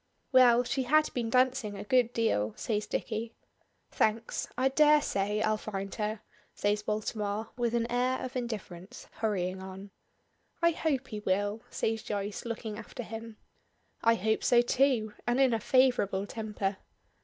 "Well, she had been dancing a good deal," says Dicky. "Thanks. I dare say I'll find her," says Baltimore, with an air of indifference, hurrying on. "I hope he will," says Joyce, looking after him. "I hope so too and in a favorable temper."